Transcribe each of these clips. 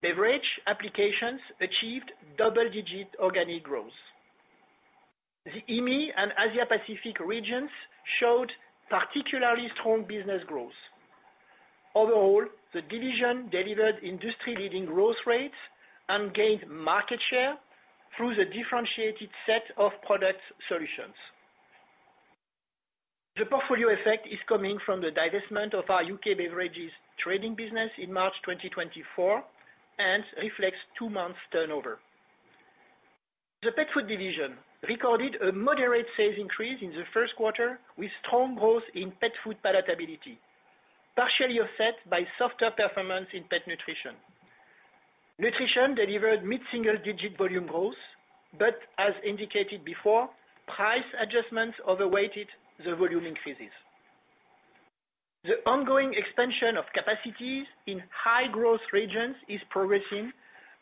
Beverage applications achieved double-digit organic growth. The EAME and Asia-Pacific regions showed particularly strong business growth. Overall, the division delivered industry-leading growth rates and gained market share through the differentiated set of product solutions. The portfolio effect is coming from the divestment of our U.K. beverages trading business in March 2024 and reflects two months' turnover. The Pet Food division recorded a moderate sales increase in the first quarter, with strong growth in Pet Food palatability, partially offset by softer performance in pet nutrition. Nutrition delivered mid-single-digit volume growth, but as indicated before, price adjustments overweighted the volume increases. The ongoing expansion of capacities in high-growth regions is progressing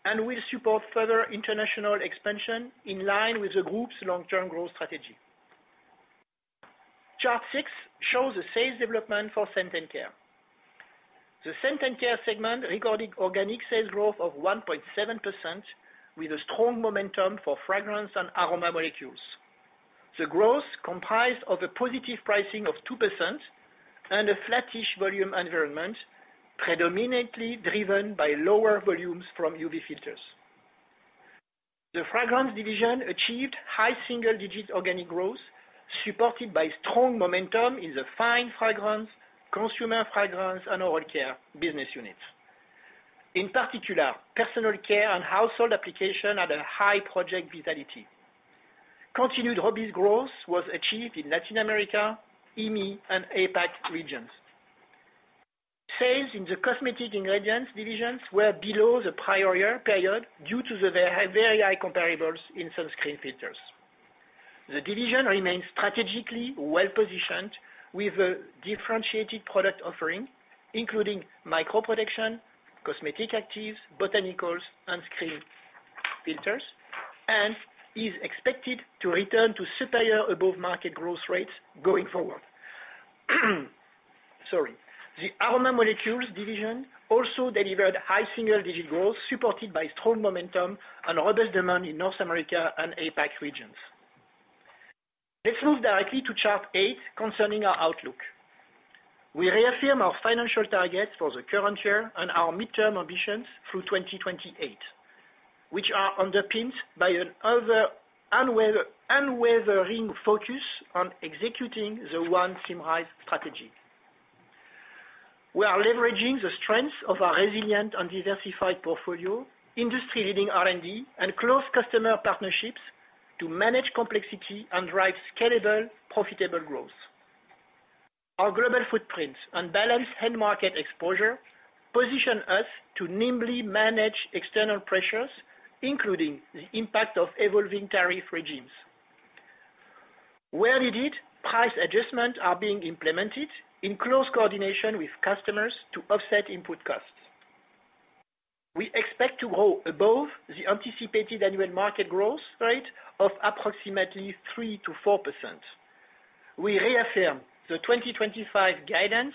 and will support further international expansion in line with the group's long-term growth strategy. Chart 6 shows the sales development for Scent & Care. The Scent & Care segment recorded organic sales growth of 1.7%, with a strong momentum for fragrance and Aroma Molecules. The growth comprised a positive pricing of 2% and a flattish volume environment, predominantly driven by lower volumes from UV filters. The fragrance division achieved high single-digit organic growth, supported by strong momentum in the Fine Fragrance, Consumer Fragrance, and Oral Care business units. In particular, personal care and household application had a high project vitality. Continued robust growth was achieved in Latin America, EAME, and APAC regions. Sales in the Cosmetic Ingredients divisions were below the prior year period due to the very high comparables in sunscreen filters. The division remains strategically well-positioned with a differentiated product offering, including micro-protection, cosmetic actives, botanicals, and screen filters, and is expected to return to superior above-market growth rates going forward. The Aroma Molecules division also delivered high single-digit growth, supported by strong momentum and robust demand in North America and APAC regions. Let's move directly to Chart 8 concerning our outlook. We reaffirm our financial targets for the current year and our midterm ambitions through 2028, which are underpinned by an unwavering focus on executing the ONE Symrise Strategy. We are leveraging the strengths of our resilient and diversified portfolio, industry-leading R&D, and close customer partnerships to manage complexity and drive scalable, profitable growth. Our global footprint and balanced end-market exposure position us to nimbly manage external pressures, including the impact of evolving tariff regimes. Where needed, price adjustments are being implemented in close coordination with customers to offset input costs. We expect to grow above the anticipated annual market growth rate of approximately 3% to 4%. We reaffirm the 2025 guidance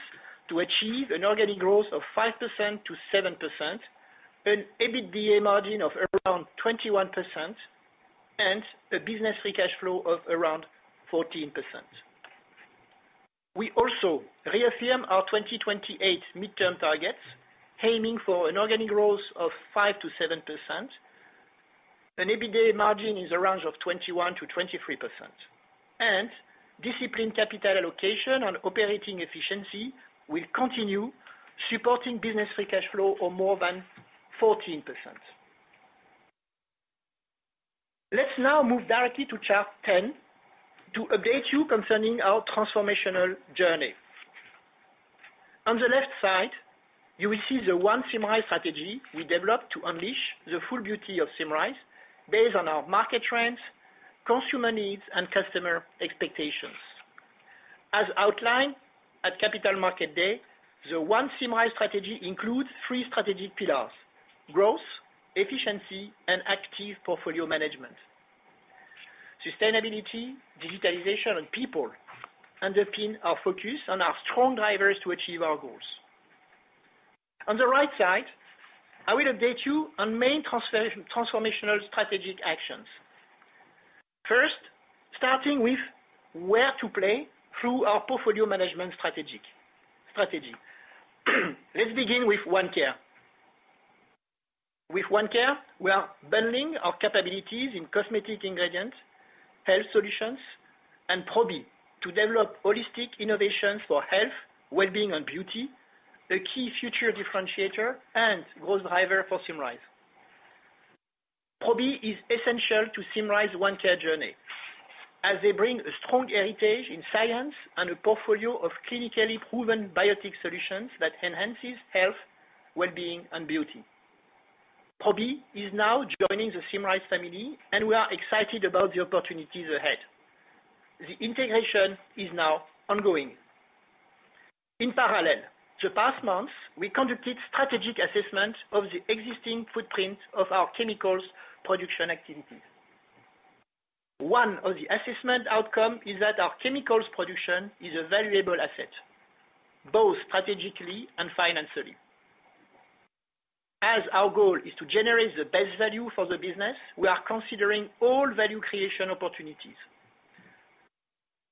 to achieve an organic growth of 5%-7%, an EBITDA margin of around 21%, and a business free cash flow of around 14%. We also reaffirm our 2028 midterm targets, aiming for an organic growth of 5%-7%, an EBITDA margin in the range of 21%-23%, and disciplined capital allocation and operating efficiency will continue supporting business free cash flow of more than 14%. Let's now move directly to Chart 10 to update you concerning our transformational journey. On the left side, you will see the ONE Symrise Strategy we developed to unleash the full beauty of Symrise based on our market trends, consumer needs, and customer expectations. As outlined at Capital Markets Day, the ONE Symrise Strategy includes three strategic pillars: growth, efficiency, and active portfolio management. Sustainability, digitalization, and people underpin our focus and are strong drivers to achieve our goals. On the right side, I will update you on main transformational strategic actions. First, starting with where to play through our portfolio management strategy. Let's begin with ONE Care. With ONE Care, we are bundling our capabilities in cosmetic ingredients, health solutions, and Probi to develop holistic innovations for health, well-being, and beauty, a key future differentiator and growth driver for Symrise. Probi is essential to Symrise's ONE Care journey, as they bring a strong heritage in science and a portfolio of clinically proven biotic solutions that enhances health, well-being, and beauty. Probi is now joining the Symrise family, and we are excited about the opportunities ahead. The integration is now ongoing. In parallel, the past months, we conducted strategic assessments of the existing footprint of our chemicals production activities. One of the assessment outcomes is that our chemicals production is a valuable asset, both strategically and financially. As our goal is to generate the best value for the business, we are considering all value creation opportunities.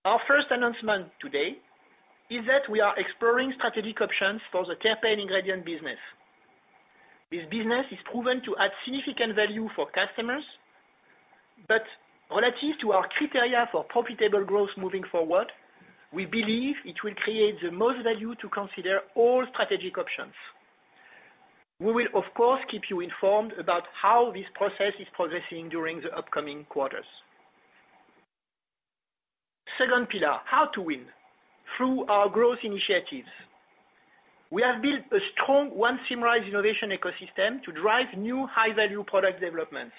Our first announcement today is that we are exploring strategic options for the terpene ingredient business. This business is proven to add significant value for customers, but relative to our criteria for profitable growth moving forward, we believe it will create the most value to consider all strategic options. We will, of course, keep you informed about how this process is progressing during the upcoming quarters. Second pillar, how to win through our growth initiatives. We have built a strong ONE Symrise innovation ecosystem to drive new high-value product developments.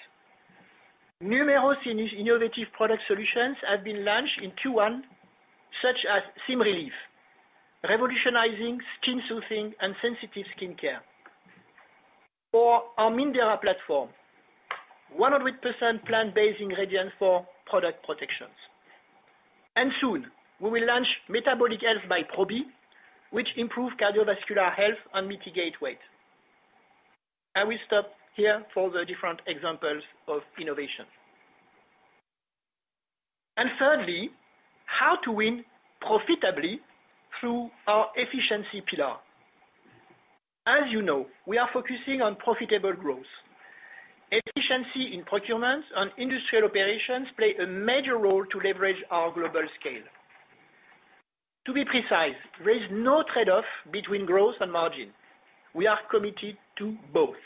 Numerous innovative product solutions have been launched in Q1, such as SymRelief, revolutionizing skin soothing and sensitive skin care, or our Mindera platform, 100% plant-based ingredients for product protection. Soon, we will launch Metabolic Health by Probi, which improves cardiovascular health and mitigates weight. I will stop here for the different examples of innovation. Thirdly, how to win profitably through our efficiency pillar. As you know, we are focusing on profitable growth. Efficiency in procurement and industrial operations play a major role to leverage our global scale. To be precise, there is no trade-off between growth and margin. We are committed to both.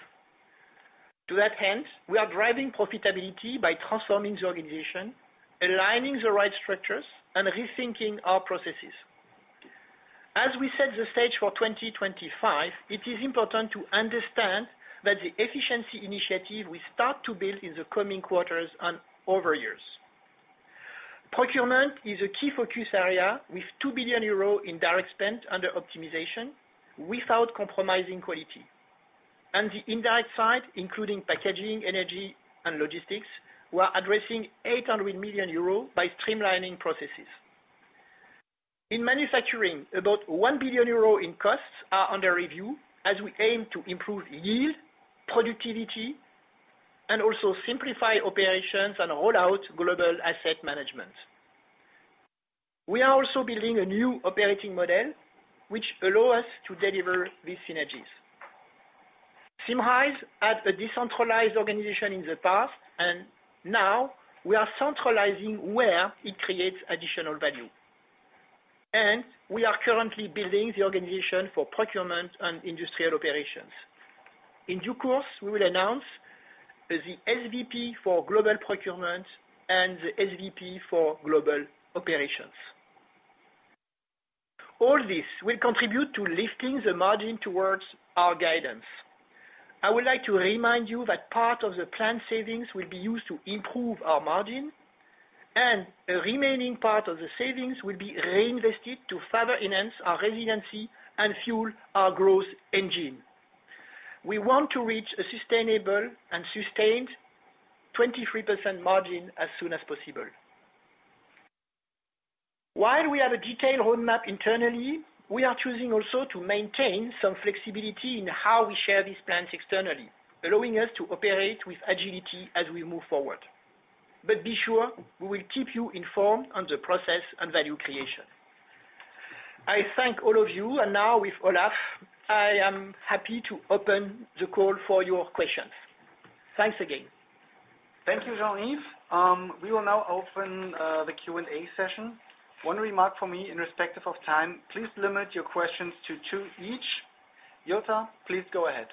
To that end, we are driving profitability by transforming the organization, aligning the right structures, and rethinking our processes. As we set the stage for 2025, it is important to understand that the efficiency initiative we start to build in the coming quarters and over years. Procurement is a key focus area with 2 billion euros in direct spend under optimization without compromising quality. On the indirect side, including packaging, energy, and logistics, we are addressing 800 million euros by streamlining processes. In manufacturing, about 1 billion euros in costs are under review as we aim to improve yield, productivity, and also simplify operations and roll out global asset management. We are also building a new operating model which allows us to deliver these synergies. Symrise had a decentralized organization in the past, and now we are centralizing where it creates additional value. We are currently building the organization for procurement and industrial operations. In due course, we will announce the SVP for global procurement and the SVP for global operations. All this will contribute to lifting the margin towards our guidance. I would like to remind you that part of the planned savings will be used to improve our margin, and a remaining part of the savings will be reinvested to further enhance our resiliency and fuel our growth engine. We want to reach a sustainable and sustained 23% margin as soon as possible. While we have a detailed roadmap internally, we are choosing also to maintain some flexibility in how we share these plans externally, allowing us to operate with agility as we move forward. Be sure we will keep you informed on the process and value creation. I thank all of you, and now with Olaf, I am happy to open the call for your questions. Thanks again. Thank you, Jean-Yves. We will now open the Q&A session. One remark for me in respect of time. Please limit your questions to two each. Jotta, please go ahead.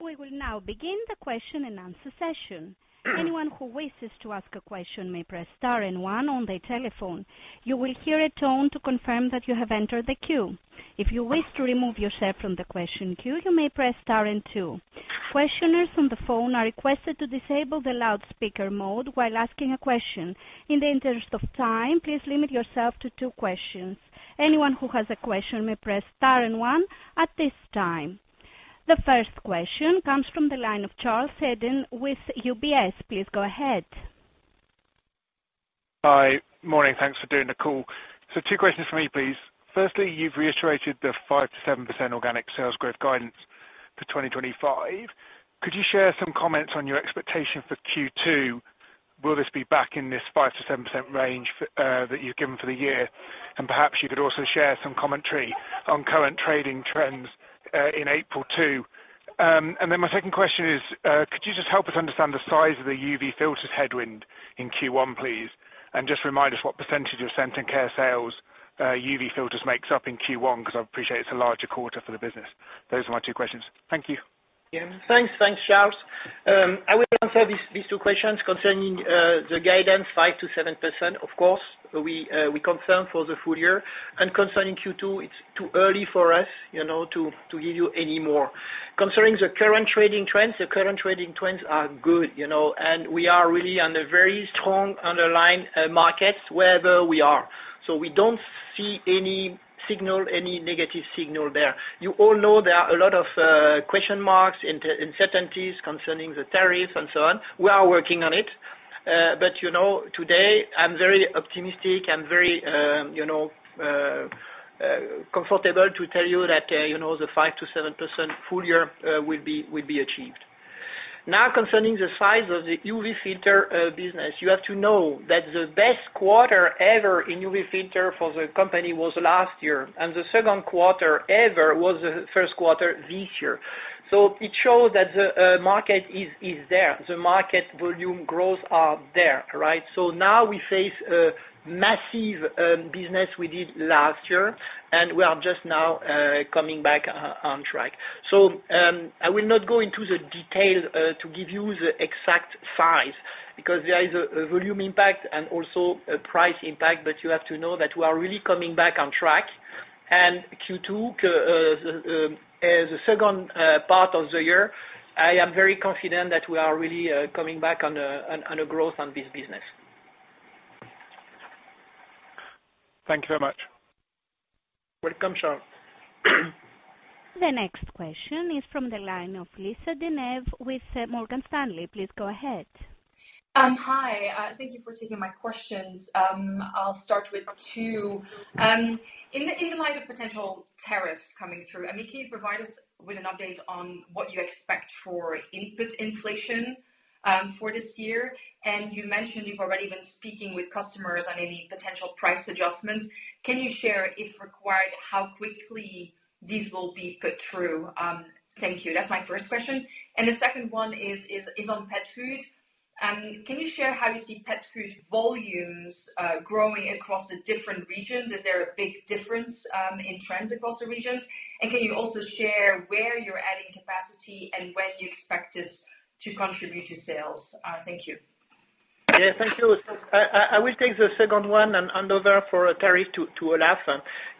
We will now begin the question and answer session. Anyone who wishes to ask a question may press Star and One on their telephone. You will hear a tone to confirm that you have entered the queue. If you wish to remove yourself from the question queue, you may press Star and Two. Questioners on the phone are requested to disable the loudspeaker mode while asking a question. In the interest of time, please limit yourself to two questions. Anyone who has a question may press Star and One at this time. The first question comes from the line of Charles Eden with UBS. Please go ahead. Hi. Morning. Thanks for doing the call. Two questions for me, please. Firstly, you've reiterated the 5%-7% organic sales growth guidance for 2025. Could you share some comments on your expectation for Q2? Will this be back in this 5%-7% range that you've given for the year? Perhaps you could also share some commentary on current trading trends in April too. My second question is, could you just help us understand the size of the UV filters headwind in Q1, please? Just remind us what percentage of Scent & Care sales UV filters makes up in Q1, because I appreciate it's a larger quarter for the business. Those are my two questions. Thank you. Thanks. Thanks, Charles. I will answer these two questions concerning the guidance, 5%-7%, of course, we confirm for the full year. Concerning Q2, it's too early for us to give you any more. Concerning the current trading trends, the current trading trends are good. We are really on a very strong underlying market wherever we are. We do not see any signal, any negative signal there. You all know there are a lot of question marks and uncertainties concerning the tariffs and so on. We are working on it. Today, I am very optimistic and very comfortable to tell you that the 5%-7% full year will be achieved. Now, concerning the size of the UV filter business, you have to know that the best quarter ever in UV filter for the company was last year, and the second quarter ever was the first quarter this year. It shows that the market is there. The market volume growth is there. We face a massive business we did last year, and we are just now coming back on track. I will not go into the detail to give you the exact size because there is a volume impact and also a price impact, but you have to know that we are really coming back on track. Q2, the second part of the year, I am very confident that we are really coming back on a growth on this business. Thank you very much. Welcome, Charles. The next question is from the line of Lisa De Neve with Morgan Stanley. Please go ahead. Hi. Thank you for taking my questions. I'll start with two. In the light of potential tariffs coming through, can you provide us with an update on what you expect for input inflation for this year? You mentioned you've already been speaking with customers on any potential price adjustments. Can you share, if required, how quickly these will be put through? Thank you. That's my first question. The second one is on Pet Food. Can you share how you see Pet Food volumes growing across the different regions? Is there a big difference in trends across the regions? Can you also share where you're adding capacity and when you expect this to contribute to sales? Thank you. Yeah, thank you. I will take the second one and hand over for tariff to Olaf.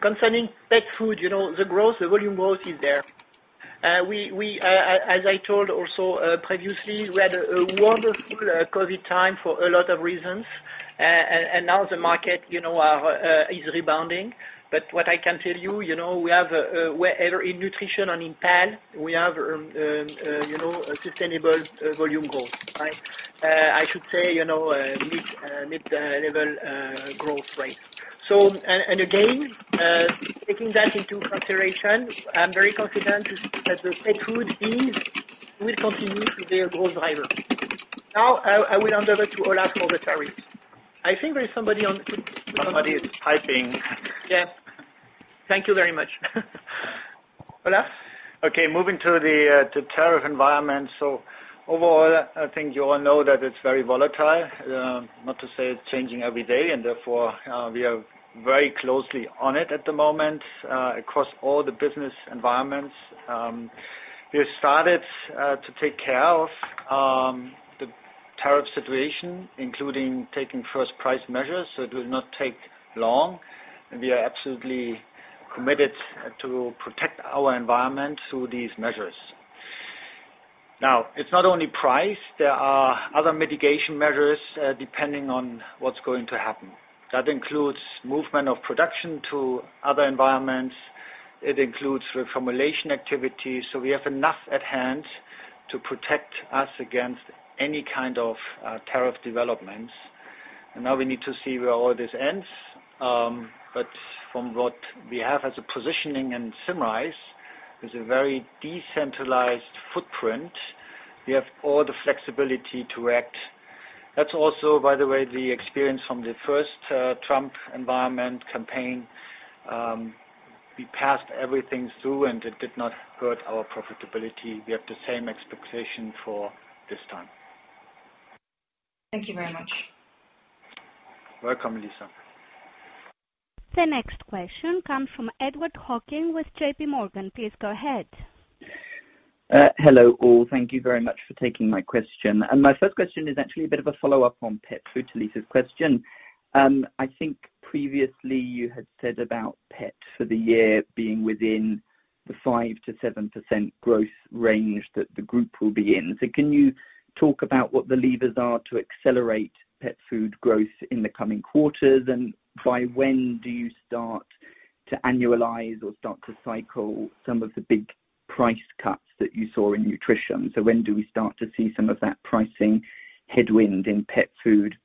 Concerning Pet Food, the growth, the volume growth is there. As I told also previously, we had a wonderful COVID time for a lot of reasons, and now the market is rebounding. What I can tell you, we have wherever in nutrition and in pal, we have sustainable volume growth, I should say, mid-level growth rates. Again, taking that into consideration, I'm very confident that the Pet Food will continue to be a growth driver. Now, I will hand over to Olaf for the tariffs. I think there is somebody on. Somebody is typing. Yeah. Thank you very much. Olaf? Okay. Moving to the tariff environment. Overall, I think you all know that it's very volatile, not to say it's changing every day, and therefore, we are very closely on it at the moment across all the business environments. We have started to take care of the tariff situation, including taking first price measures, so it will not take long. We are absolutely committed to protect our environment through these measures. Now, it's not only price. There are other mitigation measures depending on what's going to happen. That includes movement of production to other environments. It includes reformulation activities. We have enough at hand to protect us against any kind of tariff developments. We need to see where all this ends. From what we have as a positioning in Symrise, it's a very decentralized footprint. We have all the flexibility to act. That's also, by the way, the experience from the first Trump environment campaign. We passed everything through, and it did not hurt our profitability. We have the same expectation for this time. Thank you very much. Welcome, Lisa. The next question comes from Edward Hockin with JPMorgan Chase & Co. Please go ahead. Hello all. Thank you very much for taking my question. My first question is actually a bit of a follow-up on Pet Food, to Lisa's question. I think previously you had said about pet for the year being within the 5%-7% growth range that the group will be in. Can you talk about what the levers are to accelerate Pet Food growth in the coming quarters? By when do you start to annualize or start to cycle some of the big price cuts that you saw in nutrition? When do we start to see some of that pricing headwind in Pet Food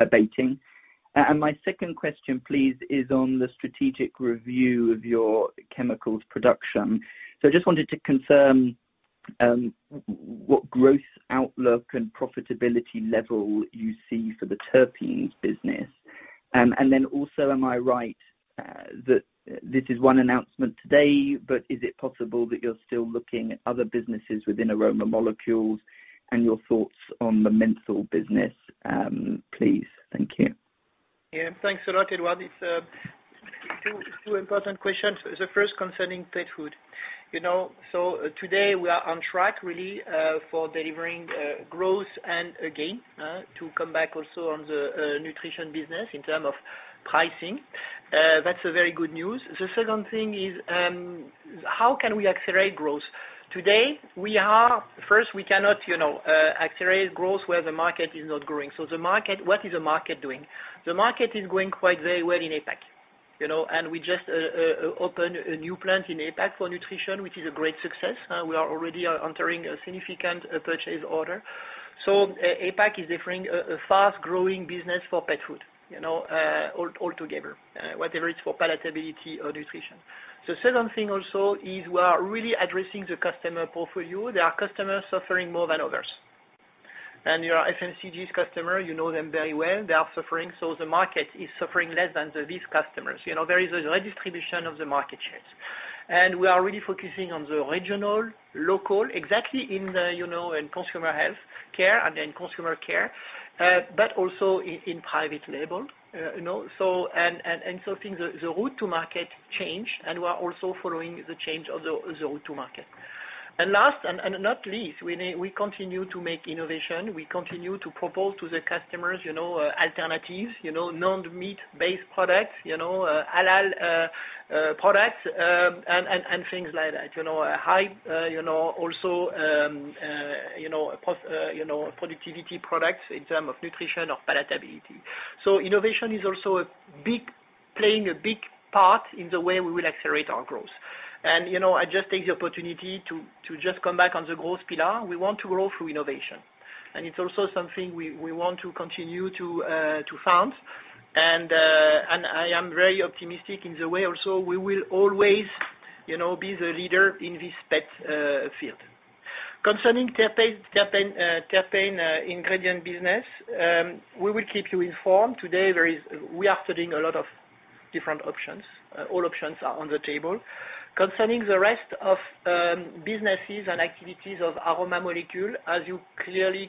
abating? My second question, please, is on the strategic review of your chemicals production. I just wanted to confirm what growth outlook and profitability level you see for the terpenes business. Am I right that this is one announcement today, but is it possible that you're still looking at other businesses within Aroma Molecules and your thoughts on the menthol business? Please. Thank you. Yeah. Thanks a lot, Edward. It's two important questions. The first concerning Pet Food. Today, we are on track, really, for delivering growth and again to come back also on the nutrition business in terms of pricing. That's very good news. The second thing is, how can we accelerate growth? Today, we are first, we cannot accelerate growth where the market is not growing. What is the market doing? The market is going quite very well in APAC. We just opened a new plant in APAC for nutrition, which is a great success. We are already entering a significant purchase order. APAC is different. A fast-growing business for Pet Food altogether, whatever it's for palatability or nutrition. The second thing also is we are really addressing the customer portfolio. There are customers suffering more than others. You are FMCG customer. You know them very well. They are suffering. The market is suffering less than these customers. There is a redistribution of the market shares. We are really focusing on the regional, local, exactly in consumer healthcare and then consumer care, but also in private label. I think the route to market changed, and we are also following the change of the route to market. Last, and not least, we continue to make innovation. We continue to propose to the customers alternatives, non-meat-based products, halal products, and things like that. High also productivity products in terms of nutrition or palatability. Innovation is also playing a big part in the way we will accelerate our growth. I just take the opportunity to just come back on the growth pillar. We want to grow through innovation. It is also something we want to continue to found. I am very optimistic in the way also we will always be the leader in this pet field. Concerning terpene ingredient business, we will keep you informed. Today, we are studying a lot of different options. All options are on the table. Concerning the rest of businesses and activities of aroma molecule, as you clearly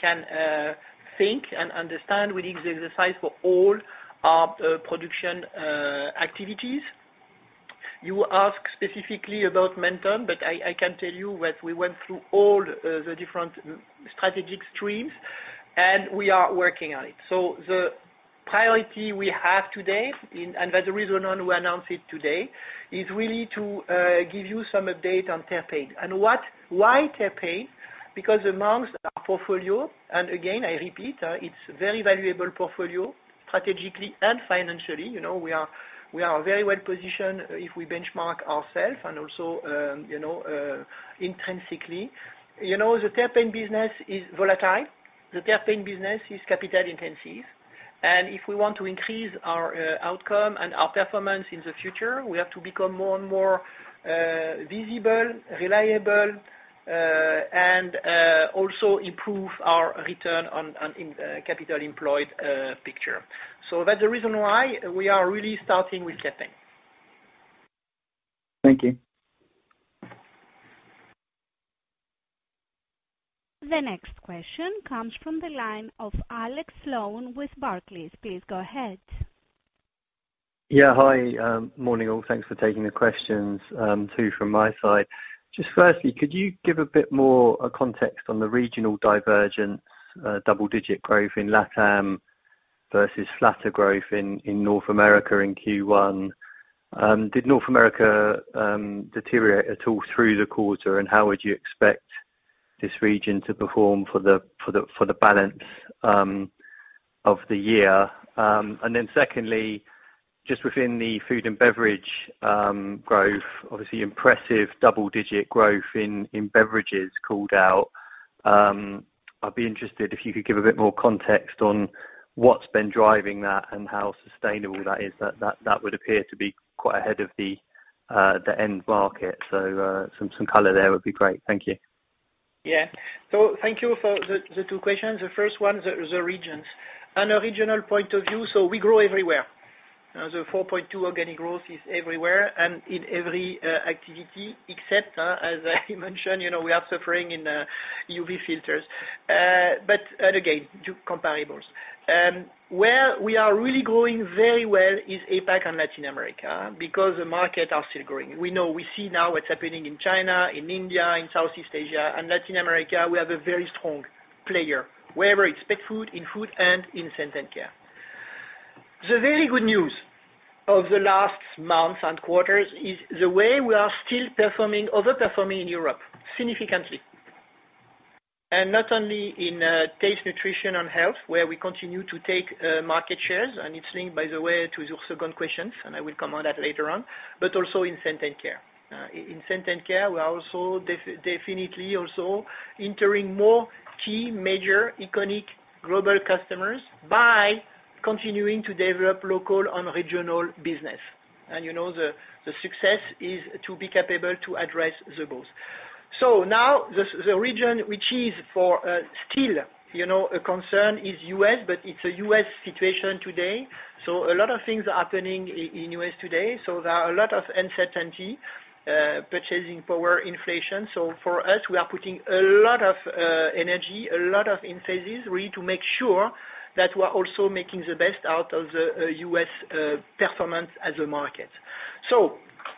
can think and understand within the exercise for all our production activities, you ask specifically about menthol, but I can tell you that we went through all the different strategic streams, and we are working on it. The priority we have today, and that's the reason we announced it today, is really to give you some update on terpene. Why terpene? Because amongst our portfolio, and again, I repeat, it's a very valuable portfolio strategically and financially. We are very well positioned if we benchmark ourselves and also intrinsically. The terpene business is volatile. The terpene business is capital-intensive. If we want to increase our outcome and our performance in the future, we have to become more and more visible, reliable, and also improve our return on capital-employed picture. That is the reason why we are really starting with terpene. Thank you. The next question comes from the line of Alex Sloane with Barclays. Please go ahead. Yeah. Hi. Morning, all. Thanks for taking the questions, too, from my side. Just firstly, could you give a bit more context on the regional divergence, double-digit growth in Latin America versus flatter growth in North America in Q1? Did North America deteriorate at all through the quarter, and how would you expect this region to perform for the balance of the year? Secondly, just within the food and beverage growth, obviously impressive double-digit growth in beverages called out. I'd be interested if you could give a bit more context on what's been driving that and how sustainable that is. That would appear to be quite ahead of the end market. Some color there would be great. Thank you. Yeah. Thank you for the two questions. The first one is the regions. On a regional point of view, we grow everywhere. The 4.2% organic growth is everywhere and in every activity, except, as I mentioned, we are suffering in UV filters. Again, comparables. Where we are really growing very well is APAC and Latin America because the markets are still growing. We know we see now what is happening in China, in India, in Southeast Asia. In Latin America, we have a very strong player, whether it is Pet Food, in food, and in Scent & Care. The very good news of the last months and quarters is the way we are still performing, overperforming in Europe significantly. Not only in Taste, Nutrition & Health, where we continue to take market shares, and it is linked, by the way, to your second question, and I will come on that later on, but also in Scent & Care. In Scent & Care, we are also definitely also entering more key major iconic global customers by continuing to develop local and regional business. The success is to be capable to address both. The region which is still a concern is the U.S., but it is a U.S. situation today. A lot of things are happening in the U.S. today. There is a lot of uncertainty, purchasing power inflation. For us, we are putting a lot of energy, a lot of emphasis really to make sure that we are also making the best out of the U.S. performance as a market.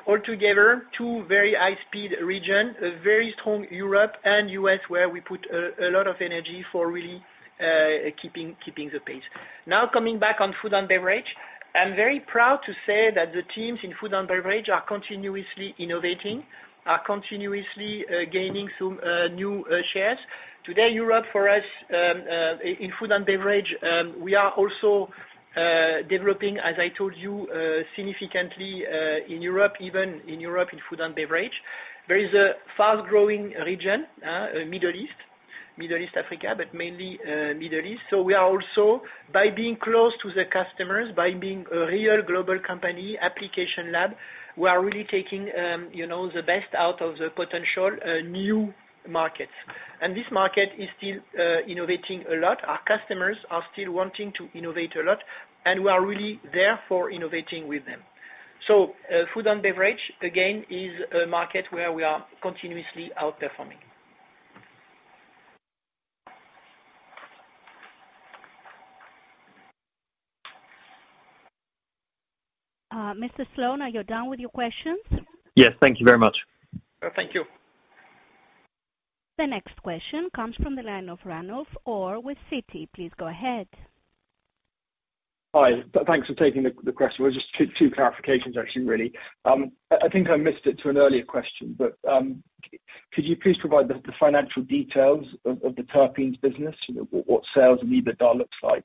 Altogether, two very high-speed regions, a very strong Europe and US, where we put a lot of energy for really keeping the pace. Now, coming back on food and beverage, I'm very proud to say that the teams in food and beverage are continuously innovating, are continuously gaining new shares. Today, Europe for us in food and beverage, we are also developing, as I told you, significantly in Europe, even in Europe in food and beverage. There is a fast-growing region, Middle East, Middle East Africa, but mainly Middle East. We are also, by being close to the customers, by being a real global company, application lab, we are really taking the best out of the potential new markets. This market is still innovating a lot. Our customers are still wanting to innovate a lot, and we are really therefore innovating with them. Food and beverage, again, is a market where we are continuously outperforming. Mr. Sloane, are you done with your questions? Yes. Thank you very much. Thank you. The next question comes from the line of Ranulf Orr with Citi. Please go ahead. Hi. Thanks for taking the question. It was just two clarifications, actually, really. I think I missed it to an earlier question, but could you please provide the financial details of the terpenes business, what sales and EBITDA looks like?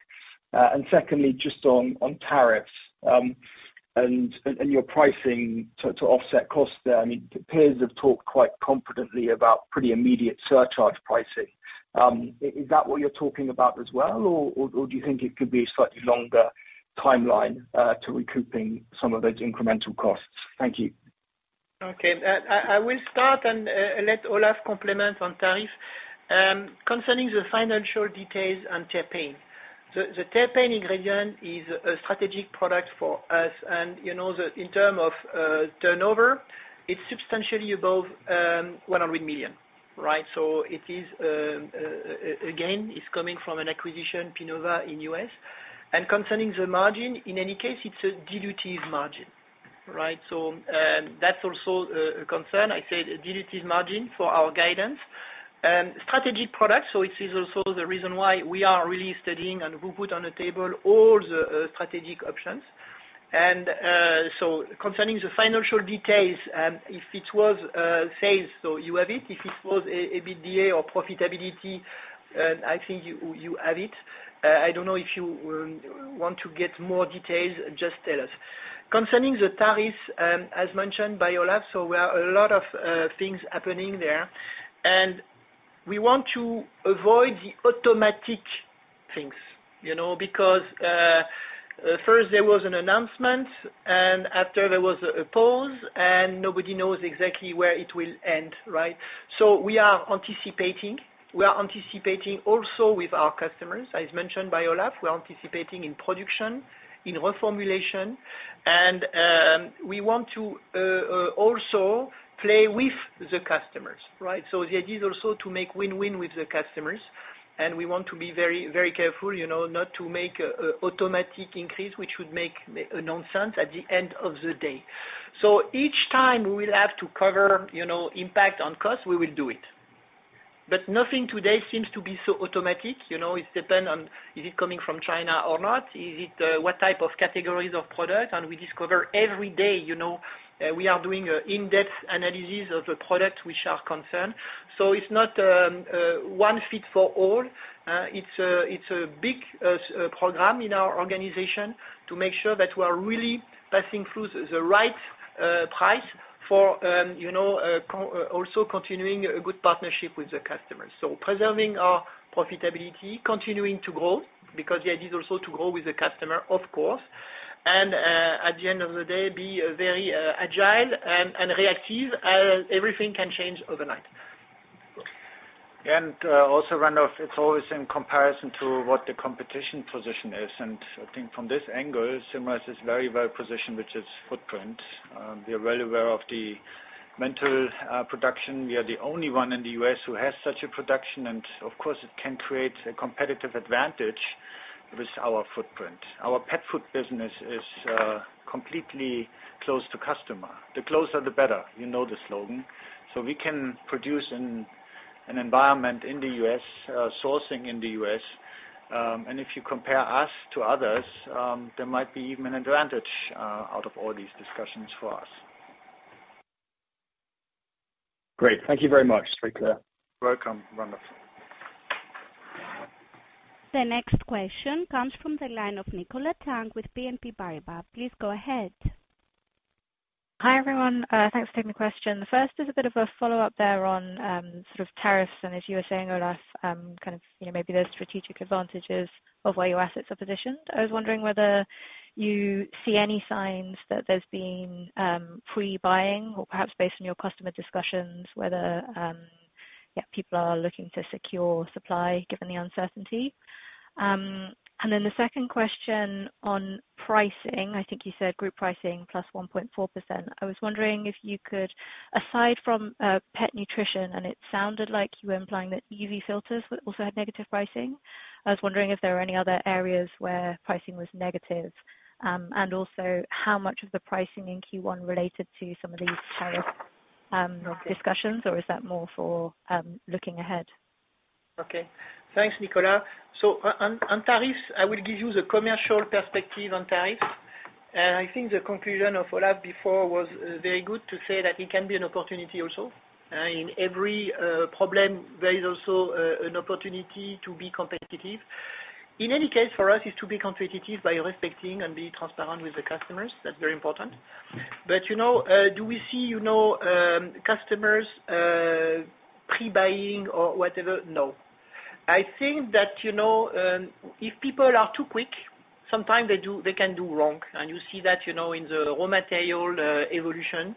And secondly, just on tariffs and your pricing to offset costs there. I mean, peers have talked quite confidently about pretty immediate surcharge pricing. Is that what you're talking about as well, or do you think it could be a slightly longer timeline to recouping some of those incremental costs? Thank you. Okay. I will start and let Olaf complement on tariff. Concerning the financial details and terpene, the terpene ingredient is a strategic product for us. In terms of turnover, it is substantially above $100 million, right? It is, again, coming from an acquisition, Pinova, in the US. Concerning the margin, in any case, it is a dilutive margin, right? That is also a concern. I said dilutive margin for our guidance. Strategic product, so it is also the reason why we are really studying and we put on the table all the strategic options. Concerning the financial details, if it was sales, you have it. If it was EBITDA or profitability, I think you have it. If you want to get more details, just tell us. Concerning the tariffs, as mentioned by Olaf, we have a lot of things happening there. We want to avoid the automatic things because first there was an announcement, and after there was a pause, and nobody knows exactly where it will end, right? We are anticipating. We are anticipating also with our customers, as mentioned by Olaf. We are anticipating in production, in reformulation. We want to also play with the customers, right? The idea is also to make win-win with the customers. We want to be very, very careful not to make an automatic increase, which would make nonsense at the end of the day. Each time we will have to cover impact on cost, we will do it. Nothing today seems to be so automatic. It depends on is it coming from China or not? What type of categories of product? We discover every day we are doing an in-depth analysis of the products which are concerned. It is not one fit for all. It is a big program in our organization to make sure that we are really passing through the right price for also continuing a good partnership with the customers. Preserving our profitability, continuing to grow because the idea is also to grow with the customer, of course. At the end of the day, be very agile and reactive as everything can change overnight. Also, Ranulf, it's always in comparison to what the competition position is. I think from this angle, Symrise is very, very positioned, which is footprint. We are well aware of the menthol production. We are the only one in the US who has such a production. Of course, it can create a competitive advantage with our footprint. Our Pet Food business is completely close to customer. The closer, the better, you know the slogan. We can produce in an environment in the US, sourcing in the US. If you compare us to others, there might be even an advantage out of all these discussions for us. Great. Thank you very much. You're welcome, Ranulf. The next question comes from the line of Nicola Tang with BNP Paribas. Please go ahead. Hi everyone. Thanks for taking the question. The first is a bit of a follow-up there on sort of tariffs. As you were saying, Olaf, kind of maybe the strategic advantages of where your assets are positioned. I was wondering whether you see any signs that there's been pre-buying or perhaps based on your customer discussions, whether people are looking to secure supply given the uncertainty. The second question on pricing, I think you said group pricing plus 1.4%. I was wondering if you could, aside from pet nutrition, and it sounded like you were implying that UV filters also had negative pricing. I was wondering if there were any other areas where pricing was negative. Also, how much of the pricing in Q1 related to some of these tariff discussions, or is that more for looking ahead? Okay. Thanks, Nicola. On tariffs, I will give you the commercial perspective on tariffs. I think the conclusion of Olaf before was very good to say that it can be an opportunity also. In every problem, there is also an opportunity to be competitive. In any case, for us, it is to be competitive by respecting and being transparent with the customers. That is very important. Do we see customers pre-buying or whatever? No. I think that if people are too quick, sometimes they can do wrong. You see that in the raw material evolution.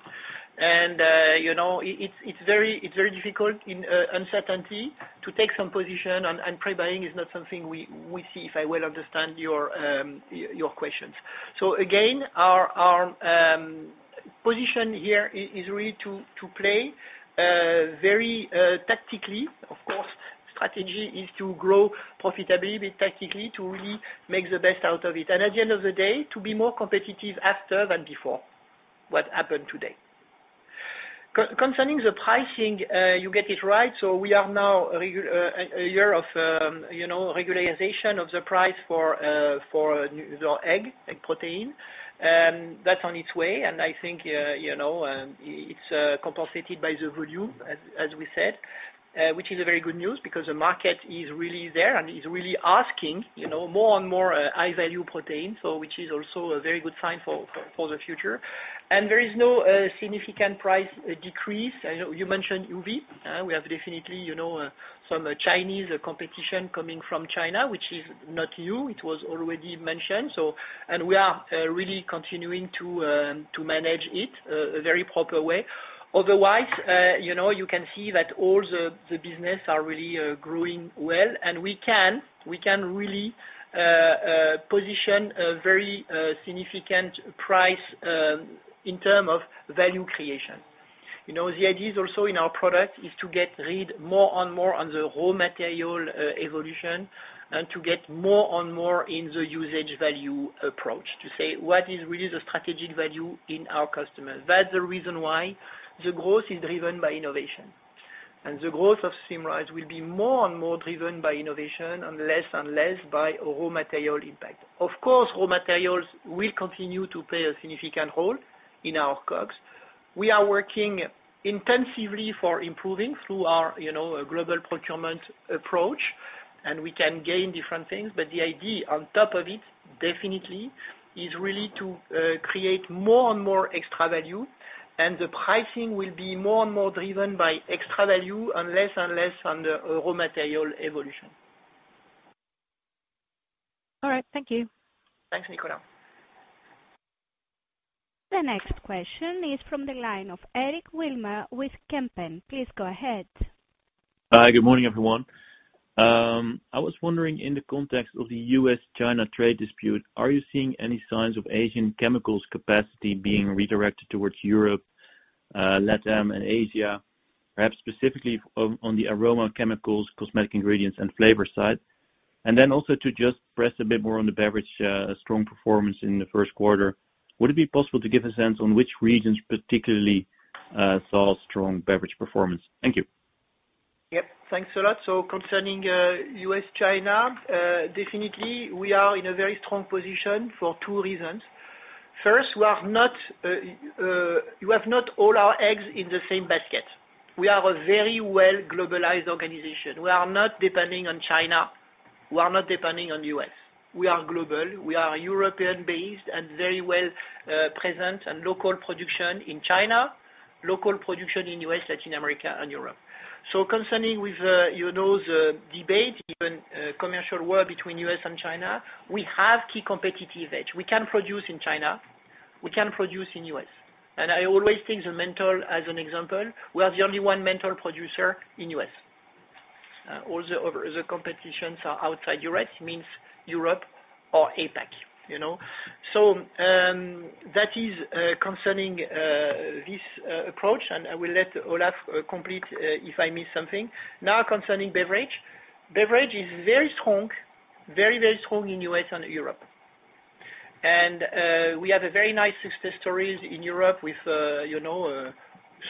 It is very difficult in uncertainty to take some position, and pre-buying is not something we see, if I well understand your questions. Again, our position here is really to play very tactically. Of course, strategy is to grow profitably, but tactically to really make the best out of it. At the end of the day, to be more competitive after than before, what happened today. Concerning the pricing, you get it right. We are now a year of regularization of the price for the egg, egg protein. That is on its way. I think it is compensated by the volume, as we said, which is very good news because the market is really there and is really asking more and more high-value protein, which is also a very good sign for the future. There is no significant price decrease. You mentioned UV. We have definitely some Chinese competition coming from China, which is not new. It was already mentioned. We are really continuing to manage it a very proper way. Otherwise, you can see that all the business are really growing well. We can really position a very significant price in terms of value creation. The idea is also in our product is to get read more and more on the raw material evolution and to get more and more in the usage value approach to say what is really the strategic value in our customers. That's the reason why the growth is driven by innovation. The growth of Symrise will be more and more driven by innovation and less and less by raw material impact. Of course, raw materials will continue to play a significant role in our COGS. We are working intensively for improving through our global procurement approach, and we can gain different things. The idea on top of it, definitely, is really to create more and more extra value. The pricing will be more and more driven by extra value and less and less on the raw material evolution. All right. Thank you. Thanks, Nicola. The next question is from the line of Eric Wilmer with Kempen. Please go ahead. Hi, good morning, everyone. I was wondering, in the context of the U.S.-China trade dispute, are you seeing any signs of Asian chemicals' capacity being redirected towards Europe, Latin America, and Asia, perhaps specifically on the Aroma Molecules, cosmetic ingredients, and flavor side? Also, to just press a bit more on the beverage strong performance in the first quarter, would it be possible to give a sense on which regions particularly saw strong beverage performance? Thank you. Yep. Thanks a lot. Concerning US-China, definitely, we are in a very strong position for two reasons. First, you have not all our eggs in the same basket. We are a very well-globalized organization. We are not depending on China. We are not depending on the US. We are global. We are European-based and very well-present and local production in China, local production in the US, Latin America, and Europe. Concerning with the debate, even commercial war between the US and China, we have key competitive edge. We can produce in China. We can produce in the US. I always think the menthol, as an example, we are the only one menthol producer in the US. All the competitions are outside Europe. It means Europe or APAC. That is concerning this approach, and I will let Olaf complete if I miss something. Now, concerning beverage, beverage is very strong, very, very strong in the US and Europe. We have very nice success stories in Europe with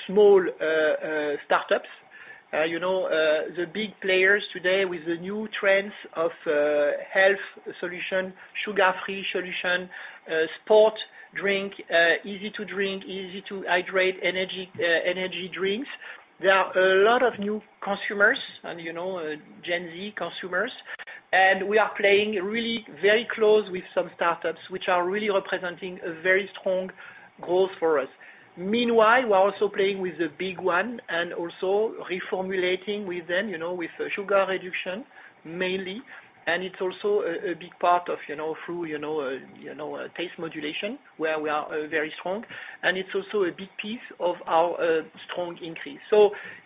small startups. The big players today with the new trends of health solutions, sugar-free solutions, sport drinks, easy to drink, easy to hydrate, energy drinks. There are a lot of new consumers and Gen Z consumers. We are playing really very close with some startups which are really representing a very strong growth for us. Meanwhile, we are also playing with the big one and also reformulating with them with sugar reduction mainly. It is also a big part of through taste modulation where we are very strong. It is also a big piece of our strong increase.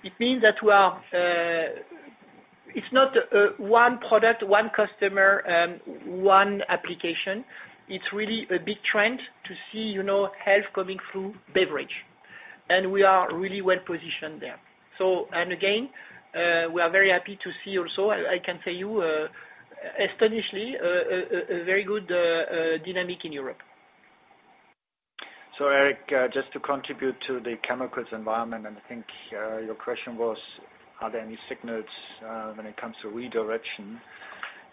It means that we are, it is not one product, one customer, one application. It is really a big trend to see health coming through beverage. We are really well-positioned there. Again, we are very happy to see also, I can tell you, astonishingly, a very good dynamic in Europe. Eric, just to contribute to the chemicals environment, and I think your question was, are there any signals when it comes to redirection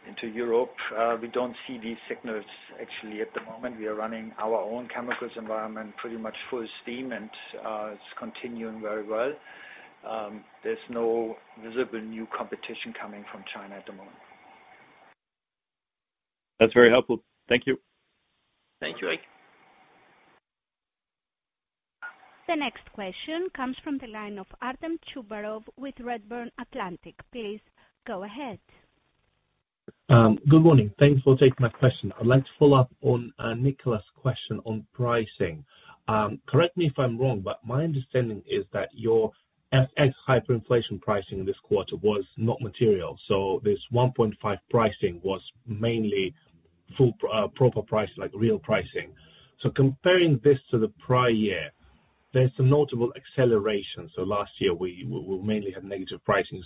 into Europe? We do not see these signals actually at the moment. We are running our own chemicals environment pretty much full steam, and it is continuing very well. There is no visible new competition coming from China at the moment. That's very helpful. Thank you. Thank you, Eric. The next question comes from the line of Artem Chubarov with Redburn Atlantic. Please go ahead. Good morning. Thanks for taking my question. I'd like to follow up on Nicola's question on pricing. Correct me if I'm wrong, but my understanding is that your FX hyperinflation pricing this quarter was not material. This 1.5% pricing was mainly proper pricing, like real pricing. Comparing this to the prior year, there's a notable acceleration. Last year, we mainly had negative pricing.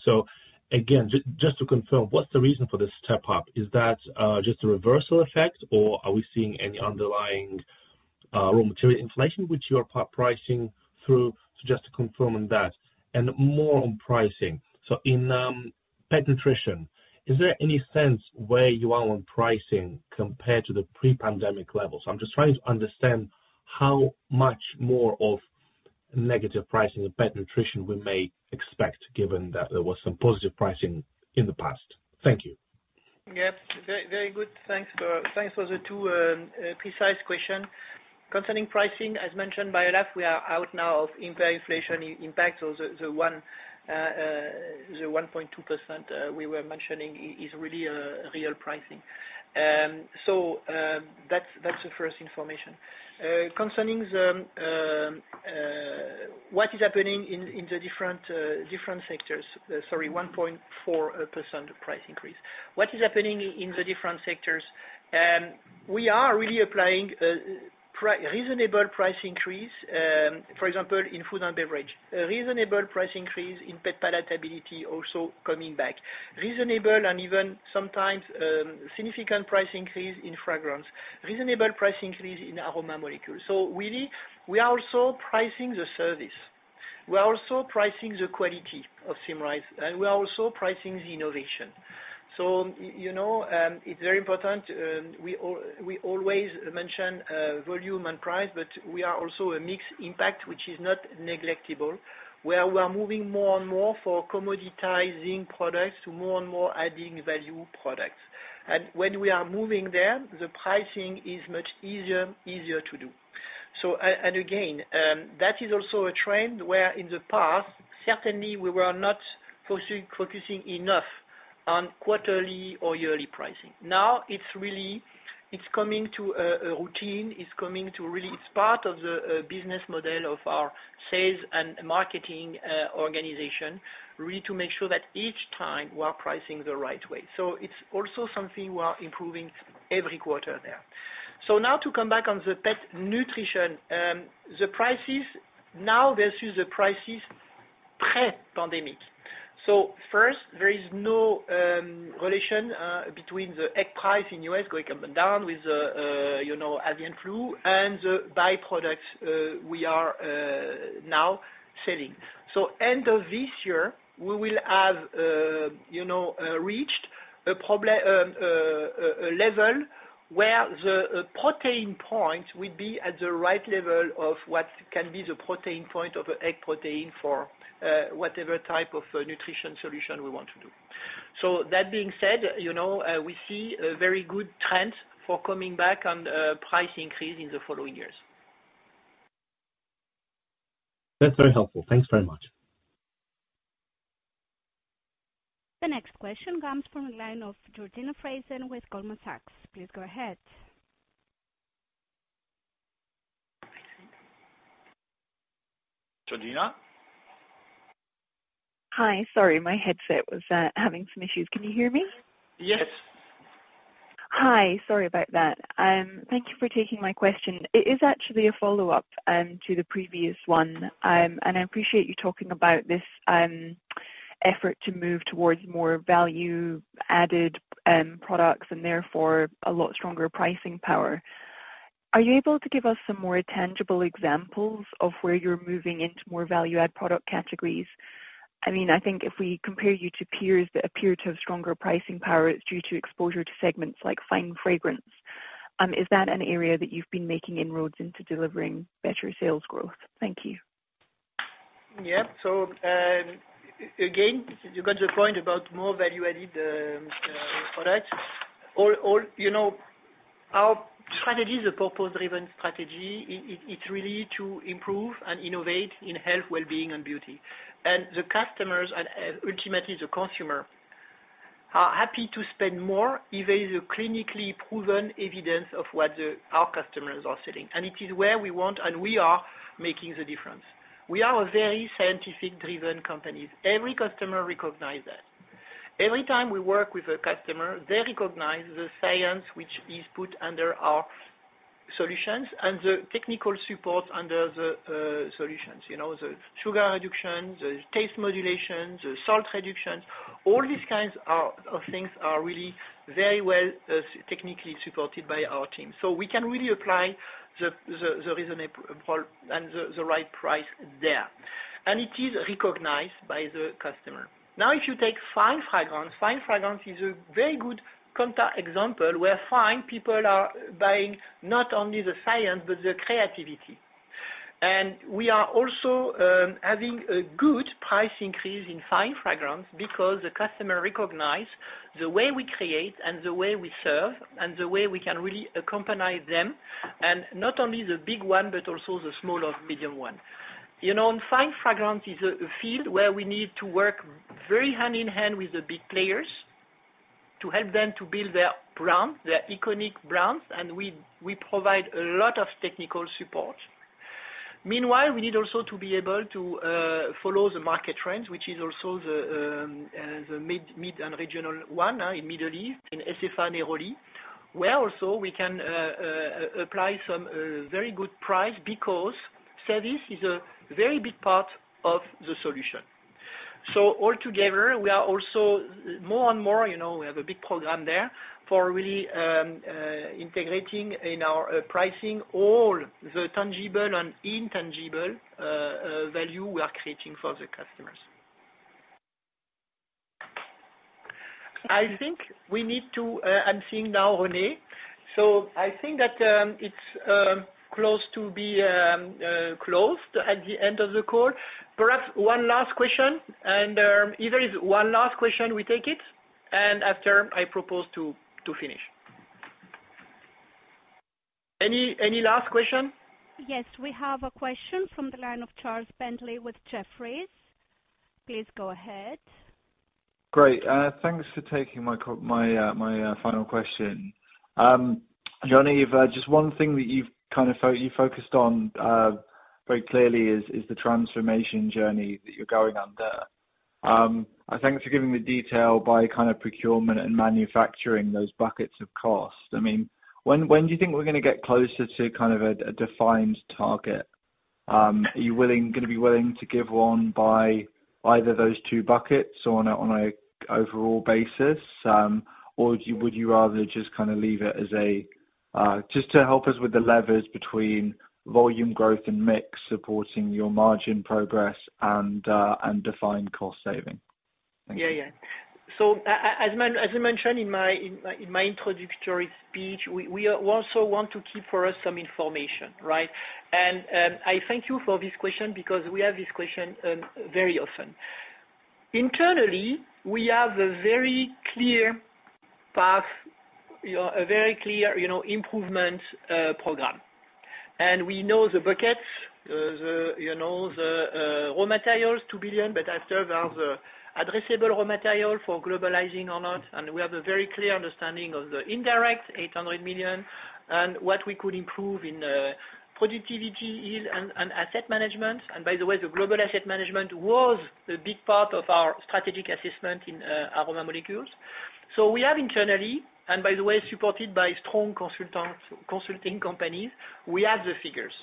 Just to confirm, what's the reason for this step up? Is that just a reversal effect, or are we seeing any underlying raw material inflation which you are pricing through? Just to confirm on that. More on pricing, in pet nutrition, is there any sense where you are on pricing compared to the pre-pandemic levels? I'm just trying to understand how much more of negative pricing in pet nutrition we may expect given that there was some positive pricing in the past. Thank you. Yep. Very good. Thanks for the two precise questions. Concerning pricing, as mentioned by Olaf, we are out now of inflation impact. The 1.2% we were mentioning is really real pricing. That is the first information. Concerning what is happening in the different sectors, sorry, 1.4% price increase. What is happening in the different sectors? We are really applying reasonable price increase, for example, in food and beverage. Reasonable price increase in pet palatability also coming back. Reasonable and even sometimes significant price increase in fragrance. Reasonable price increase in Aroma Molecules. We are also pricing the service. We are also pricing the quality of Symrise. We are also pricing the innovation. It is very important. We always mention volume and price, but we are also a mixed impact, which is not negligible, where we are moving more and more for commoditizing products to more and more adding value products. When we are moving there, the pricing is much easier to do. Again, that is also a trend where in the past, certainly, we were not focusing enough on quarterly or yearly pricing. Now, it's really coming to a routine. It's coming to really it's part of the business model of our sales and marketing organization, really to make sure that each time we are pricing the right way. It's also something we are improving every quarter there. Now to come back on the pet nutrition, the prices now versus the prices pre-pandemic. There is no relation between the egg price in the US going up and down with avian flu and the byproducts we are now selling. End of this year, we will have reached a level where the protein point would be at the right level of what can be the protein point of an egg protein for whatever type of nutrition solution we want to do. That being said, we see a very good trend for coming back on price increase in the following years. That's very helpful. Thanks very much. The next question comes from the line of Georgina Fraser with Goldman Sachs. Please go ahead. Georgina? Hi. Sorry, my headset was having some issues. Can you hear me? Yes. Hi. Sorry about that. Thank you for taking my question. It is actually a follow-up to the previous one. I appreciate you talking about this effort to move towards more value-added products and therefore a lot stronger pricing power. Are you able to give us some more tangible examples of where you're moving into more value-added product categories? I mean, I think if we compare you to peers that appear to have stronger pricing power, it's due to exposure to segments like fine fragrance. Is that an area that you've been making inroads into delivering better sales growth? Thank you. Yep. You got your point about more value-added products. Our strategy is a purpose-driven strategy. It's really to improve and innovate in health, well-being, and beauty. The customers, and ultimately the consumer, are happy to spend more if there is clinically proven evidence of what our customers are selling. It is where we want, and we are making the difference. We are a very scientific-driven company. Every customer recognizes that. Every time we work with a customer, they recognize the science which is put under our solutions and the technical support under the solutions. The sugar reductions, the taste modulations, the salt reductions, all these kinds of things are really very well technically supported by our team. We can really apply the reasonable and the right price there. It is recognized by the customer. Now, if you take fine fragrance, fine fragrance is a very good contact example where fine people are buying not only the science, but the creativity. We are also having a good price increase in fine fragrance because the customer recognizes the way we create and the way we serve and the way we can really accompany them, and not only the big one, but also the small or medium one. Fine fragrance is a field where we need to work very hand in hand with the big players to help them to build their brand, their iconic brands, and we provide a lot of technical support. Meanwhile, we need also to be able to follow the market trends, which is also the mid and regional one in the Middle East, in SFA NEROLI, where also we can apply some very good price because service is a very big part of the solution. Altogether, we are also more and more we have a big program there for really integrating in our pricing all the tangible and intangible value we are creating for the customers. I think we need to I'm seeing now René. I think that it's close to be closed at the end of the call. Perhaps one last question. If there is one last question, we take it. After, I propose to finish. Any last question? Yes. We have a question from the line of Charles Bentley with Jefferies. Please go ahead. Great. Thanks for taking my final question. Johnny, just one thing that you've kind of focused on very clearly is the transformation journey that you're going under. Thanks for giving the detail by kind of procurement and manufacturing, those buckets of cost. I mean, when do you think we're going to get closer to kind of a defined target? Are you going to be willing to give one by either those two buckets on an overall basis, or would you rather just kind of leave it as a just to help us with the levers between volume growth and mix supporting your margin progress and defined cost saving? Yeah, yeah. As I mentioned in my introductory speech, we also want to keep for us some information, right? I thank you for this question because we have this question very often. Internally, we have a very clear path, a very clear improvement program. We know the buckets, the raw materials, 2 billion, but after, there is addressable raw material for globalizing or not. We have a very clear understanding of the indirect, 800 million, and what we could improve in productivity and asset management. By the way, the global asset management was a big part of our strategic assessment in Aroma Molecules. We have internally, and by the way, supported by strong consulting companies, we have the figures.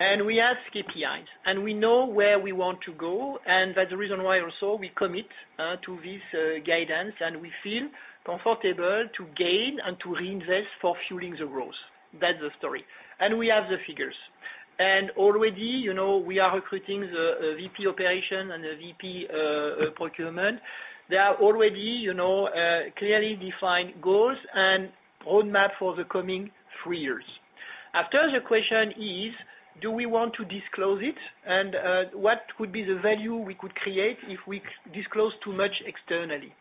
We have KPIs. We know where we want to go. That is the reason why also we commit to this guidance, and we feel comfortable to gain and to reinvest for fueling the growth. That is the story. We have the figures. Already, we are recruiting the VP Operation and the VP Procurement. There are already clearly defined goals and roadmap for the coming three years. The question is, do we want to disclose it? What would be the value we could create if we disclose too much externally?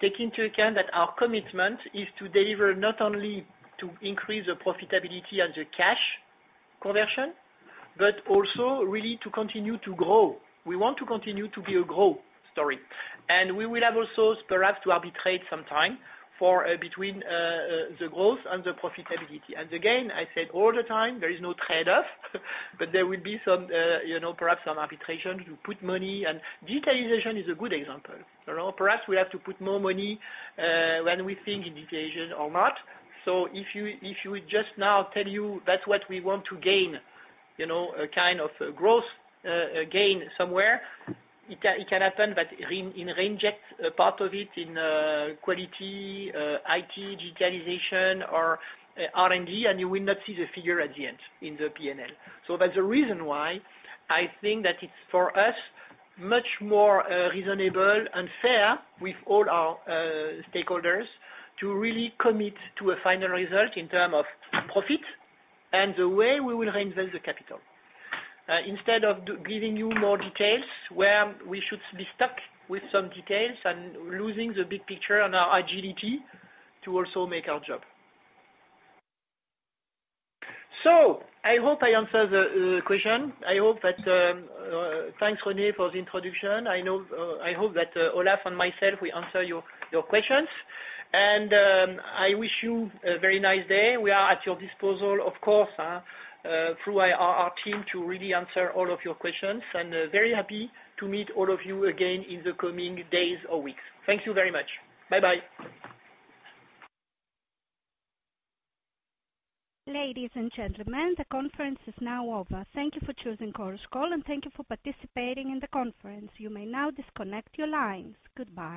Taking into account that our commitment is to deliver not only to increase the profitability and the cash conversion, but also really to continue to grow. We want to continue to be a growth story. We will have also perhaps to arbitrate some time between the growth and the profitability. I said all the time, there is no trade-off, but there will be perhaps some arbitration to put money. Digitalization is a good example. Perhaps we have to put more money when we think in digitalization or not. If you just now tell you that's what we want to gain, a kind of growth gain somewhere, it can happen that we reinject a part of it in quality, IT, digitalization, or R&D, and you will not see the figure at the end in the P&L. That is the reason why I think that it is for us much more reasonable and fair with all our stakeholders to really commit to a final result in terms of profit and the way we will reinvest the capital. Instead of giving you more details where we should be stuck with some details and losing the big picture and our agility to also make our job. I hope I answered the question. I hope that thanks, René, for the introduction. I hope that Olaf and myself, we answered your questions. I wish you a very nice day. We are at your disposal, of course, through our team to really answer all of your questions. Very happy to meet all of you again in the coming days or weeks. Thank you very much. Bye-bye. Ladies and gentlemen, the conference is now over. Thank you for choosing Chorus Call, and thank you for participating in the conference. You may now disconnect your lines. Goodbye.